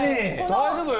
大丈夫？